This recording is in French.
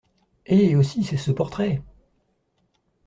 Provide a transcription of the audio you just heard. Eh ! aussi, c’est ce portrait !